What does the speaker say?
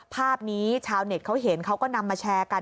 ภาพนี้ชาวเน็ตเขาเห็นเขาก็นำมาแชร์กัน